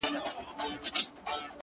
ه چیري یې د کومو غرونو باد دي وهي،